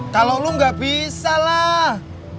kalau lu nggak bisa lah